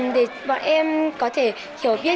để bọn em có thể hiểu biết